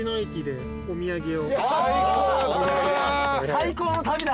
最高の旅だ。